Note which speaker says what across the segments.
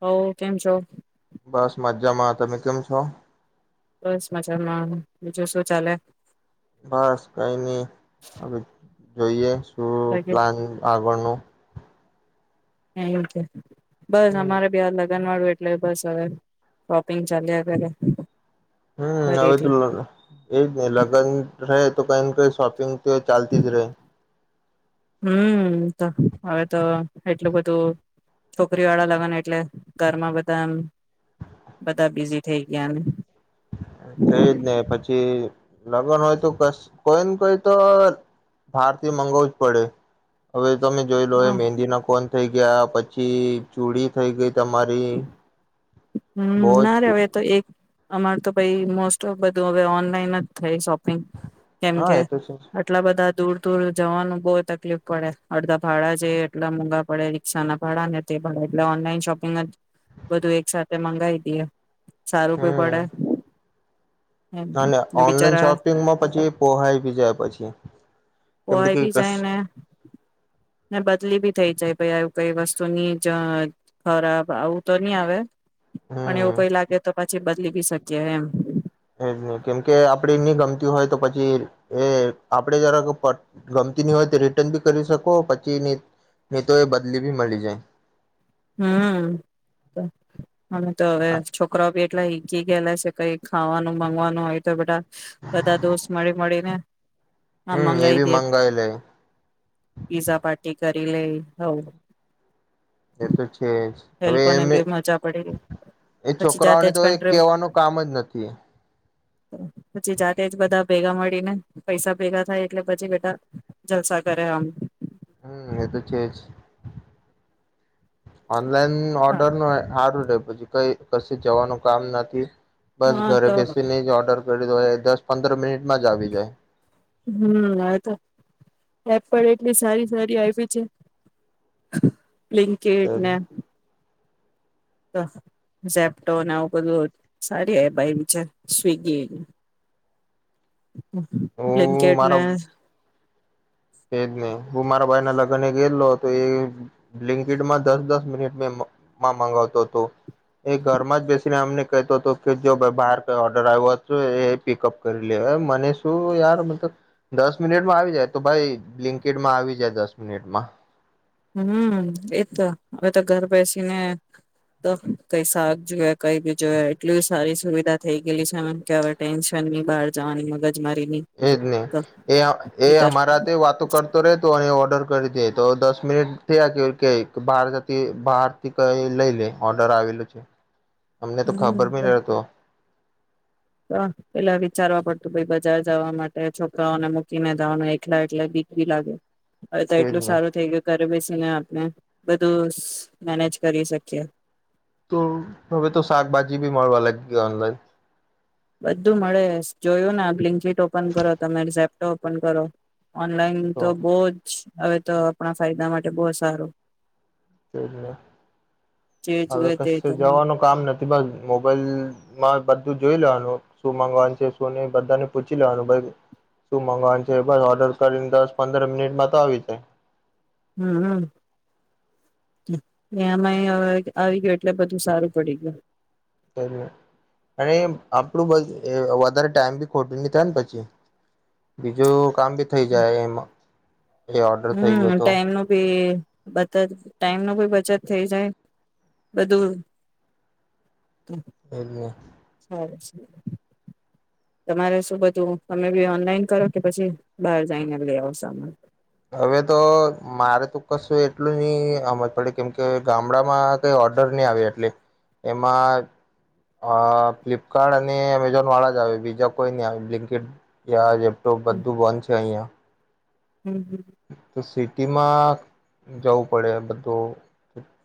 Speaker 1: હોવ કેમ છો?
Speaker 2: બસ મજ્જામાં, તમે કેમ છો?
Speaker 1: બસ મજામાં, બીજું શું ચાલે?
Speaker 2: બસ કઈ નહી હવે જોઈએ. અં
Speaker 1: બાકી
Speaker 2: પ્લાન આગળનું [inaudible]
Speaker 1: હાં, એવુ છે. બસ,
Speaker 2: હમ
Speaker 1: અમારે બી અલગ [unintelligible] એટલે બસ અવે શોપિંગ ચાલ્યા કરે.
Speaker 2: હમ્મ, અવે તો
Speaker 1: ફરીથી
Speaker 2: લગ એજ ને, લગન [unintelligible] તો કઈ ને કઈ શોપિંગ તો એ ચાલતી જ રે
Speaker 1: હમ્મ તો હવે તો એટલું બધું છોકરી વાળા લગન એટલે ઘરમાં બધામ બધા બિઝી થઈ ગયા ને.
Speaker 2: [inaudible] તો એજ નહી પછી કે લગન હોય તો કસ કોઈને કોઈ તો ભારથી મગાવું જ પડે હવે. તમે જોઈ લો
Speaker 1: હ
Speaker 2: એ મહેંદી ના કોન થઈ ગયા. પછી ચૂડી થઈ ગઈ. તમારી
Speaker 1: હમ
Speaker 2: બહજ
Speaker 1: ના રે હવે તો એક અમાર તો ભાઈ મોસ્ટ ઓફ બધું હવે ઓનલાઈન જ થઈ શોપ પિંગ કેમ
Speaker 2: હા
Speaker 1: કે
Speaker 2: એ તો છે
Speaker 1: આટલા બધા દૂર દૂર જવાનું બહુ તકલીફ પડે અડધા ભાડા છે એટલા મોંઘા પડે રિક્ષા ના ભાડા ને તે ભાડા એટલે ઓનલાઈન શોપિંગ જ, બધું એક સાથે તે મંગાઈદીએ. સારું ભી
Speaker 2: હમ
Speaker 1: પડે. એમ
Speaker 2: અને
Speaker 1: ને
Speaker 2: ઓનલાઈન
Speaker 1: બિચારા
Speaker 2: શોપિંગમાં પછી પોહાઈ જાય પછી. કેમ
Speaker 1: પોહાઈ
Speaker 2: કે
Speaker 1: બી
Speaker 2: કસ
Speaker 1: જાય ને, ને બદલી બી થઈ જાય આવ કઈ વસ્તુની જ ખરાબ આવું તો નઈ આવે. પણ એવું
Speaker 2: હમ
Speaker 1: કઈ લાગે તો પછી લેવી શકીયા એમ.
Speaker 2: એજ ન કેમકે આપે નઈ ગમતી હોય તો પછી એ આપણેે જરા ગમતી નહી હોય તો રિટર્ન બી કરી શકો પછીની, નહી તો એ બદલી ભી મળી જાય.
Speaker 1: હમ. હમ તો હવે છોકરા બી એટલા હઈ કી ગયલા છે કઈ ખાવાનું માંગવાનું હોય તો બધા બધા દોસ્ત મળી મળીને, આ
Speaker 2: હમ એ
Speaker 1: મંગાઈ
Speaker 2: બી
Speaker 1: દઈએ,
Speaker 2: મંગાવી લે
Speaker 1: પીઝા પાર્ટી. કરી લઈ હવ
Speaker 2: એ તો છે જ
Speaker 1: એ
Speaker 2: હવે
Speaker 1: લોકોને
Speaker 2: એને
Speaker 1: બી મજા પડી
Speaker 2: એ
Speaker 1: પછી જાતે
Speaker 2: છોકરાઓને
Speaker 1: જ
Speaker 2: તો એ
Speaker 1: કંટ્રોલ
Speaker 2: કેહેવાનું કામ જ નથી એ
Speaker 1: પછી જાતે જ બધા ભેગા મળીને પૈસા ભેગા થાય એટલે પછી બધા જલસા કરે આમ.
Speaker 2: હમ એ તો છેજ ઓનલાઈન ઓર્ડર નો હારું પછી કઈ કશી જવાનું કામ નથી. બસ
Speaker 1: હા
Speaker 2: ઘરે
Speaker 1: તો
Speaker 2: બેસીને જ ઓર્ડર કરી દોય દસ પંદર મિનિટ માં જ આવી જાય.
Speaker 1: હમ આ તો એપ પણ એટલી સારી સારી આયવી છે. બ્લિંકિટ ને તો ઝેપટોન આવું બધું સારી અપ આયવી સ્વિગી બ્લિંકિટ ને
Speaker 2: તે જ ને, હું મારા ભાઈના લગ્નમાં ગયેલો હતો. એ બ્લિંકિટમાં દસ દસ મિનિટમાં મ મગાવતો હતો, એ ઘરમાં જ બેસીને અમને કહેતો હતો કે, જો ભાઈ બહાર કંઈ ઓર્ડર આવ્યો હશે એ પિકઅપ કરી લે મને શું યાર મતલબ દસ મિનિટમાં આવી જાય. તો ભાઈ બ્લિંકિટ માં આવી જાય દસ મિનિટમાં.
Speaker 1: હમ્મ, એ તો હવે તો ઘરે બેસીને તો કંઈ શાક જોઈએ, કંઈ પણ બી જોયે એટલી સારી સુવિધા થઈ ગયેલી છે ને કે હવે ટેન્શન ની બહાર જવાની મગજ મારીની
Speaker 2: એ જને,
Speaker 1: તો
Speaker 2: એ એ
Speaker 1: નીતર
Speaker 2: અમારા તે વાતો કરતો રહે તો અને ઓર્ડર કરી દે તો દસ મિનિટ થીયા કે કે બાર જથી બહારથી કઈ લઈ લે ઓર્ડર આવેલૂ છે. અમને તો ખબર
Speaker 1: હમ
Speaker 2: ભી ન તો.
Speaker 1: તો, પેલા વિચારવા પડતું બજાર જવા માટે છોકરાઓને મૂકીને જવાનું એકલા, એટલે બીક ભી લાગે હવે તો
Speaker 2: તેજ
Speaker 1: એટલું
Speaker 2: ને
Speaker 1: સારું થઈ ગયું, ઘરે બેસીને હમ્મ, બધું [unintelligible] મેનેજ કરી શકીએ.
Speaker 2: તો હવે તો શાકભાજી ભી માળવા લાગી. [unintelligible]
Speaker 1: બધું મળે, જોયું ને! બ્લિંકિટ ઓપન કરો, તમે ઝેપ્ટો ઓપન કરો ઓનલાઈન તો બોજ હવે તો આપણા ફાયદા માટે બો સારું જે
Speaker 2: હવે
Speaker 1: જોએ તે
Speaker 2: કસ્સે
Speaker 1: તમને
Speaker 2: જવાનું કામ નથી, બધ મોબાઈલમાં બધ તો જોઈ લેવાનું, શું મગાવવાનું છે શું નહીં, બધાને પૂછી લેવાનું શું મગાવવાનું છે, બસ ઓર્ડર કરીને દસ પંદર મિનિટમાં તો આવીજ જાય
Speaker 1: [inaudible] એમાં આવી ગયુ એટલે બધું સારું પડી ગયું.
Speaker 2: અને આપણું [unintelligible] વધારે ટાઈમ બી ખોટું ની થાય ને પછી, બીજું કામ ભી થઈ જાય, એમાં એ ઓર્ડર થઈ
Speaker 1: હમ્મ,
Speaker 2: ગયો તો
Speaker 1: ટાઈમનું ભી બચત, ટાઈમનું ભી બચત થઈ જાય બધું.
Speaker 2: [unintelligible]
Speaker 1: સારું, તમારે શું બધું, તમે ભી ઓનલાઈન કરો, કે પછી બહાર જઈને લઈ આવો, સામાન?
Speaker 2: હવે તો મારે તો કશું એટલું ની હમજ પડ, કેમકે ગામડામાં કંઈ ઓર્ડર નહીં આવે એટલે, એમાં ફ્લિપકાર્ટ અને એમેઝોન વાળા જ આવે, બીજા કોઈ નહીં આવે, બ્લિંકટ યા જે તો બધું બંધ છે અહીંયા
Speaker 1: હમ, હમ.
Speaker 2: તીમાં જવું પડે બધું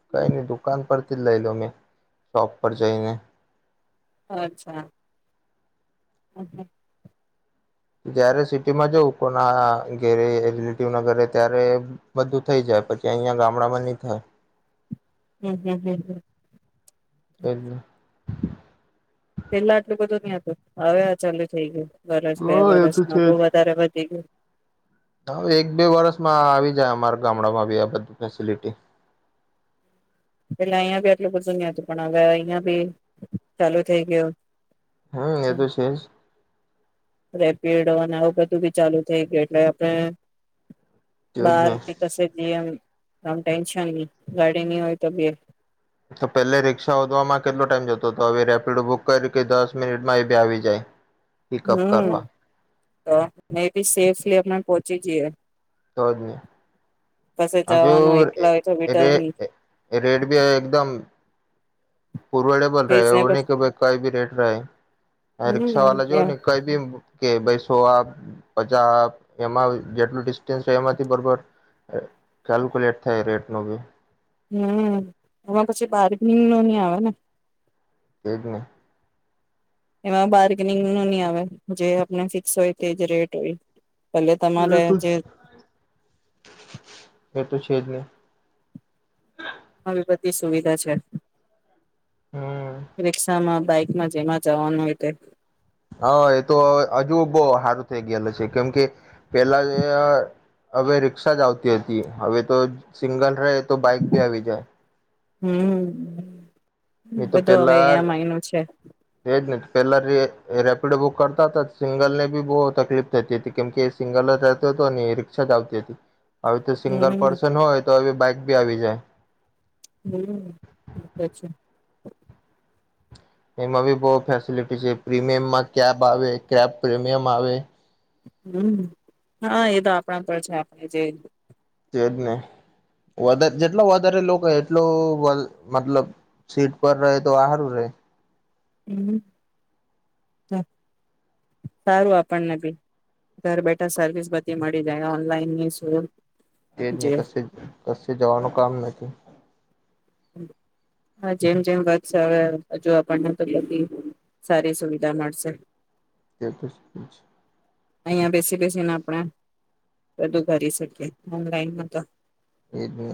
Speaker 2: કંઈ નહીં, દુકાન પરથી જ લઈ લો મેં, શોપ પર જઈને
Speaker 1: અચ્છા. [unintelligible]
Speaker 2: જ્યારે સિટીમાં જવું પન આ આ કોના ઘેરે, રિલેટિવના ઘરે, ત્યારે બધું થઈ જાય. પછી અહીંયા ગામડામાં નહીં થાય
Speaker 1: હમ હમ હમ હમ. પેલા આટલું બધું નહ હતું, હવે આ ચાલુ થઈ ગયું વરસ બે વરસમાં બવ વધારે વધી ગયું
Speaker 2: હ, એક-બે વર્ષમાં આવી જાય અમારા ગામડામાં બી આ બધું ફેસિલિટી
Speaker 1: એટલે અહિયાં બી આટલું બધું નતું, પણ હવે અહિયાં બી ચાલુ થઈ ગયું
Speaker 2: હહ એ તો છે જ.
Speaker 1: રેપિડો ને આવું બધું બી ચાલુ થઈ ગયું એટલે આપણે
Speaker 2: છે જ
Speaker 1: બાર
Speaker 2: ને
Speaker 1: કે કશે જ એમ આમ ટેન્શન નહી ગાડીની હોય તો બે
Speaker 2: તો પેલે રિક્ષા હોધવામાં કેટલો ટાઈમ જતો તો હવે રેપિડો બુક કરી કે દસ મિનિટમાં એ બી આવી જાય. પિકઅપ
Speaker 1: હમ
Speaker 2: કરવા
Speaker 1: તો મે બી [inaudible] જી જી એ
Speaker 2: તો જ ને. હા જો
Speaker 1: જવાનું એકલા હોય તો બી ડર
Speaker 2: રે
Speaker 1: ની
Speaker 2: રેટ બી એકદમ પૂર્વે ડેબલ રહે એવું
Speaker 1: રીઝનેબલ
Speaker 2: નહીં કે ભાઈ કઈ બી રેટ રહે. હવે રિક્શા
Speaker 1: હમ
Speaker 2: વાલા જો
Speaker 1: એમ
Speaker 2: ને કઈ બી કે ભાઈ સો આપ પચા આપ એમાં જેટલું ડિસ્ટન્સ હોય એમાંથી બરોબર કેલ્કુલેટ થાય રેટનો બી.
Speaker 1: હમ્મ એમાં પછી બારગીનનો ની આવે ને.
Speaker 2: એજ ને.
Speaker 1: એમાં બાર્ગેનિંગ નું ની આવે જે આપને ફિક્સ હોય તે જ રેટ હોય પેલે તમારે
Speaker 2: એ તો
Speaker 1: જે
Speaker 2: એ તો છે જ ને.
Speaker 1: આવી બધી સુવિધા છે.
Speaker 2: હમ
Speaker 1: રીક્ષામાં. બાઈકમાં જેમાં જવાનું હોય તે
Speaker 2: હહ એ તો હજુ બો હારું થઈ ગયેલુ છે કેમ કે પેલા અ હવે રીક્ષા જ આવતી હતી. હવે તો સિંગલ રહે તો બાઈક ભી આવી જાય.
Speaker 1: હમ્મ.
Speaker 2: નહી તો
Speaker 1: બધું હવે
Speaker 2: પેલા
Speaker 1: એમ આઈનુ છે.
Speaker 2: એજ ને પેલા રે રેપિડો બુક કરતા તા તો સિંગલ ને ભી બહુ તકલીફ થતી હતી. કેમકે એ સિંગલ જ રહેતો હતો ને એ રિક્ષા જ આવતી હતી. હવે તો સિંગલ
Speaker 1: હમ
Speaker 2: પર્સન હોય તો હવે બાઈક બી આવી જાય.
Speaker 1: હમ્મ પછી
Speaker 2: એમાં બી બહુ ફેસીલીટી છે, પ્રીમિયમમાં કેબ આવે, કેબ પ્રીમિયમ આવે
Speaker 1: હમ હહ એ તો આપણા પર છે આપણે જે
Speaker 2: તેજને વધ જેટલો વધારે લોકો એટલું મતલબ સીટ પર રહે તો હારું રહે.
Speaker 1: હમ સારું આપણને બી ઘર બેઠા સર્વિસ બધી મળી જાય ઓનલાઈનની છે
Speaker 2: તે જ ને કશે કશે જવાનું કામ નથી.
Speaker 1: હા જેમ જેમ વધશે હવે હજુ આપણને તો બધી સારી સુવિધા મળશે.
Speaker 2: તે તો છે જ.
Speaker 1: અહિયાં બેસી બેસીને આપણે બધું કરી શકીએ ઓનલાઈનમાં તો
Speaker 2: એ જ ને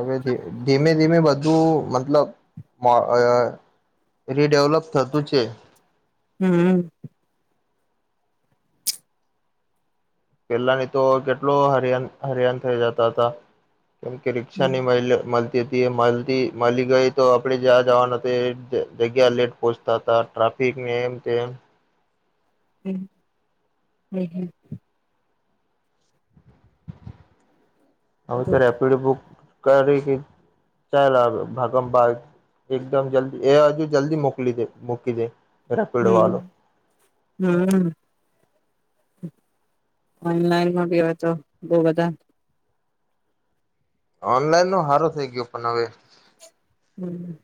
Speaker 2: હવે ધી ધીમે ધીમે બધું બધું મતલબ માં અ રીડેવલપ થતું છે.
Speaker 1: હમ.
Speaker 2: પેલાની તો કેટલો હરિયાન હરિયાન થઈ જતા તા. કેમ કે રિક્ષા
Speaker 1: હમ
Speaker 2: ની મઈલુ મલ તી હતી. મલતી મળી ગઈ તો આપણેે જ્યાં જવાનું તે જગ્યા લેટ પહોચતા હતા ટ્રાફિકને એમ તેમ
Speaker 1: હમ હ.
Speaker 2: હવે તો રેપિડો બુક કરી કે ચાલ આવે ભાગમ ભાગ એકદમ જલ્દી એ હજુ જલ્દી મોકલી દે મૂકી દે. રેપિડો વાળો
Speaker 1: હમ હમ. ઓનલાઈનમાં ભી હવે તો બો બધા
Speaker 2: ઓનલાઈન નો હારો થઈ ગયો પણ હવે
Speaker 1: હમ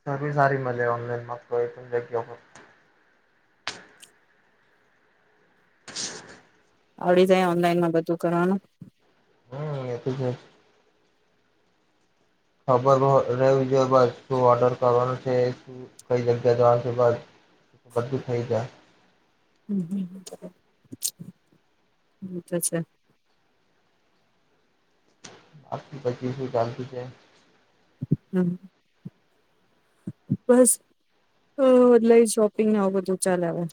Speaker 2: સર્વીસ હારી મલે ઓનલાઈન [unintelligible]
Speaker 1: આવડી જાય ઓનલાઈન માં બધું કરવાનું.
Speaker 2: હમ એ તો છે. ખબર રહેવી જોઈ બાદ શું ઓર્ડર કરવાનું છે, શું કઈ જગ્યા જવાનુ બાદ બધું થઈ જાય.
Speaker 1: હમ હ હ અચ્છા
Speaker 2: બાકી પછી શું ચાલતું છે
Speaker 1: હ બસ અ ઓનલાઈન શોપિંગ ને આવુ બધું ચાલે અવે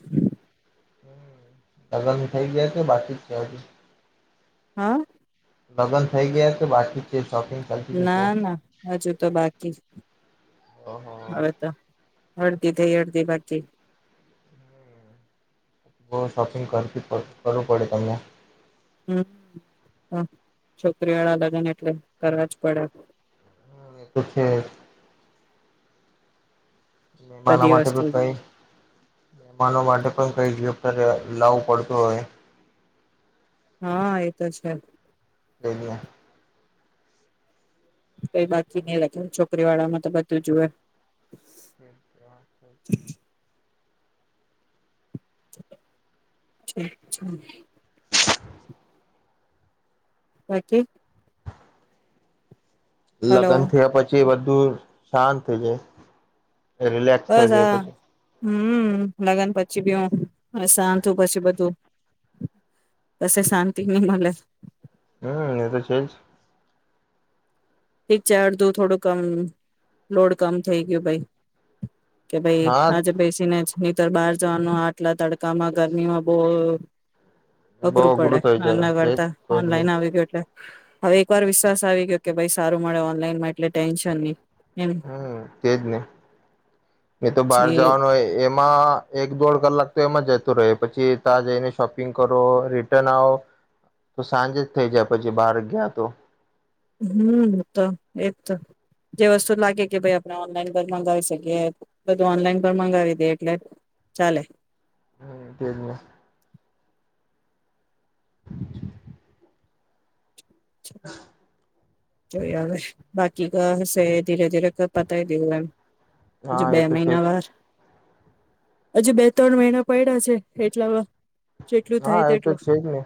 Speaker 2: દગા થઈ ગયા છે બાકી જ છેજ
Speaker 1: હા
Speaker 2: લગ્ન થઈ ગયા છે બાકી છે. શોપિંગ ચાલતી છે તો
Speaker 1: ના ના હજુ તો બાકી,
Speaker 2: ઓહો
Speaker 1: હવે તો અડધી થઈ અડધી બાકી
Speaker 2: બો શોપિંગ કરવી કરવું પડે તમને
Speaker 1: હમ છોકરી વાળા લગ્ન એટલે કરવા જ પડે
Speaker 2: એ તો છે જ મહેમાનો
Speaker 1: બધી
Speaker 2: માટે
Speaker 1: વસ્તુ
Speaker 2: ભી
Speaker 1: જો.
Speaker 2: કઈ મહેમાનો માટે પણ કઈ જ અત્યારે લાવું પડતું હવે
Speaker 1: હા એતો છે જ
Speaker 2: અહીંયા
Speaker 1: કઈ બાકી નહી રાખે છોકરી વાળા માં તો બધું જુવે ઠીક છે. પછી હલો
Speaker 2: લગ્ન થયા પછી બધુ [unintelligible] શાંત છે. રિલેક્સ થઈ
Speaker 1: બસ
Speaker 2: જાય
Speaker 1: આ
Speaker 2: પછી.
Speaker 1: હમ લગ્ન પછી બી હ શાંતું પછી બધું પછ શાંતિ નહી મળે.
Speaker 2: હમ એ તો છે જ.
Speaker 1: ઠીક છે અર્ધું થોડું કમ લોડ કમ થઇ ગયું ભાઈ. કે ભાઈ
Speaker 2: હા
Speaker 1: આજે પૈસી ના જ અંદર બહાર જવાનું આટલા તડકામાં ગરમીમાં બો
Speaker 2: બઉ
Speaker 1: અઘરું પડે
Speaker 2: થઈ જાય
Speaker 1: આના
Speaker 2: તેજ
Speaker 1: કરર્તા
Speaker 2: કોઈ જ
Speaker 1: ઓનલાઈન
Speaker 2: નહી
Speaker 1: આવી ગયું એટલે હવે એક વાર વિશ્વાસ આવી ગયો કે ભાઈ સ સારું મળે ઓનલાઈનમાં એટલે ટેન્શન નહી. એમ
Speaker 2: હમ તેજ ને. મેં તો બહાર
Speaker 1: જે
Speaker 2: જવાનું હોય એમાં એક દોઢ કલાક તો એમાં જતું રહે. પછી ત્યાં જઈને શોપિંગ કરો, રિટર્ન આવો, તો સાંજ જ થઈ જાય પછી બાર ગયા તો.
Speaker 1: હમ તો એ જ તો. જે વસ્તુ લાગે કે ભાઈ આપણે ઓનલાઈન પણ મંગાવી શકીએ બધું ઓનલાઈન પણ મંગાવી દે એટલે ચાલે.
Speaker 2: હ તે હે. હ.
Speaker 1: જોઈ હવે બાકી કઈ હશે. ધીરે ધીરે ક પતાઈ દેવું એમ. હજુ
Speaker 2: હા
Speaker 1: બે
Speaker 2: એ તો છે
Speaker 1: મહિના
Speaker 2: જ
Speaker 1: વાર હજુ બે ત્રણ મહિના પડ્યા છે એટલામાં જેટલું
Speaker 2: હા
Speaker 1: થાય
Speaker 2: એતો
Speaker 1: તેટલું
Speaker 2: છે જ ને.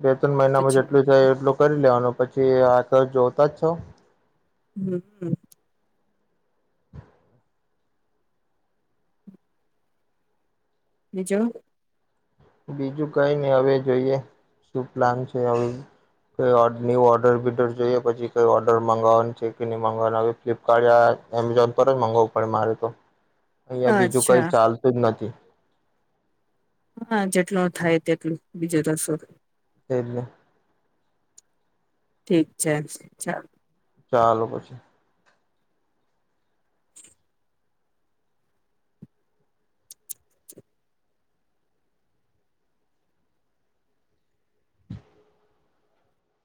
Speaker 2: બે ત્રણ મહિનામાં
Speaker 1: પછી
Speaker 2: જેટલું થાય એટલું કરી લેવાનું પછી તો જોતા જ છો.
Speaker 1: હમ. બીજું?
Speaker 2: બીજું કઈ નહી હવે જોઈએ શું પ્લાન છે હવેઈ ન્ય ઓર્ડર બીડર જોઈએ પછી કઈ ઓર્ડર મગવાનું છે કે નહી મગાવવાનું હવે ફ્લિપકાર્ટ, એમેઝોન પર જ મગાવવું પડે મારે તો. અહંયા બીજું કઈ
Speaker 1: અચ્છા
Speaker 2: ચાલતું જ નથી.
Speaker 1: હા જેટલું થાય તેટલું બીજું તો શુ થાય?
Speaker 2: એ જ ને.
Speaker 1: ઠીક છે ચાલ.
Speaker 2: ચાલો પછી.